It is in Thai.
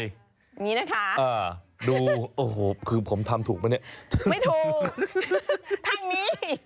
อย่างนี้นะคะดูโอ้โหคือผมทำถูกไหมเนี่ยไม่ถูกทางนี้